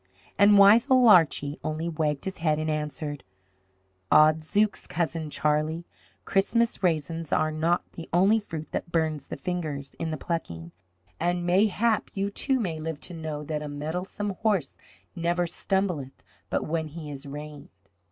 And wise old Archie only wagged his head and answered, "Odd zooks, Cousin Charlie, Christmas raisins are not the only fruit that burns the fingers in the plucking, and mayhap you too may live to know that a mettlesome horse never stumbleth but when he is reined."